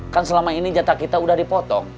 kan selama ini jatah kita sudah dipotong